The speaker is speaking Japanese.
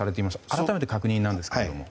改めて確認なんですけども。